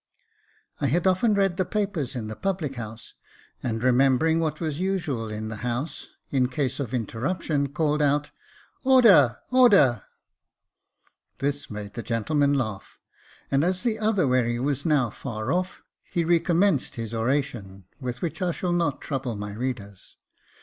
I had often read the papers in the public house, and re membering what was usual in the House in case of in terruption, called out, " Order, order !" This made the gentleman laugh, and as the other wherry was now far off, he recommenced his oration, with which I shall not trouble my readers.